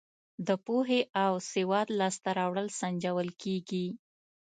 د پوهې او سواد لاس ته راوړل سنجول کیږي.